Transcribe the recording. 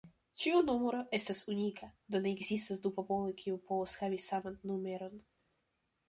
Ĉiuj numero estas unika, do ne ekzistas du poloj kiu povas havi saman numeron.